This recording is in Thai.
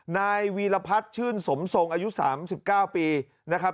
นายวีรพัฒน์ชื่นสมทรงอายุ๓๙ปีนะครับ